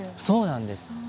そうなんです！